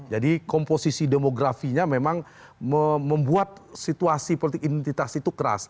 jadi komposisi demografinya memang membuat situasi politik identitas itu keras